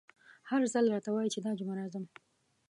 هر ځل راته وايي چې دا جمعه راځم….